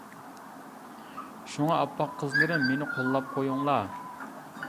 شۇڭا ئاپئاق قىزلىرىم مېنى قوللاپ قويۇڭلار.